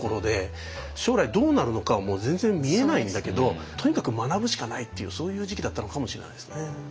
将来どうなるのかも全然見えないんだけどとにかく学ぶしかないっていうそういう時期だったのかもしれないですね。